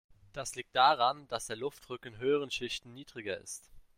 Das liegt daran, dass der Luftdruck in höheren Schichten niedriger ist.